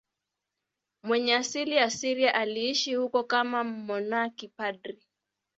Mwenye asili ya Syria, aliishi huko kama mmonaki padri.